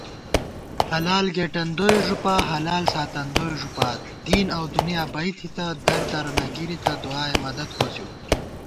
حلال گېٹن دوئی ݫُپا حلال ساتن دوئی ݫُپا * دین اؤ دُنیا بئ تھِتہ دردرہ نہ گِرِتہ دُعائے مدد کوڅِؤ